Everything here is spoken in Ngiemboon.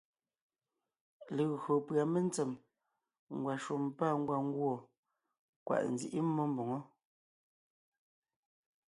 Legÿo pʉ́a mentsèm, ngwàshùm pâ ngwàngùɔ, kwàʼ nzíʼi mmó mbòŋo.